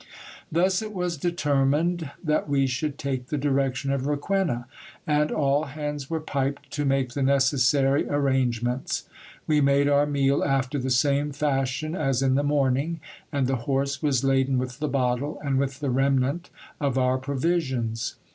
Thus it was determined that we should take the direction of Requena ; and all hands were piped to make the necessary arrangements. We made our meal after the same fashion as in the morning, and the horse was laden with the bottle, and with the remnant of our provisions.